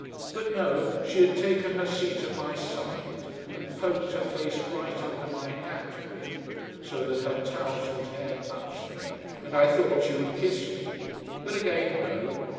But no, she had taken her seat at my side, and poked her face right under my hat brim, so that her towzled hair touched me, and I thought she would kiss me. But again no.